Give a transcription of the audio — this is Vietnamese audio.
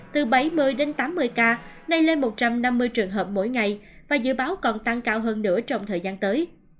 từ bảy mươi tám mươi ca này lên một trăm năm mươi trường hợp mỗi ngày và dự báo còn tăng cao hơn nửa trong thời gian tới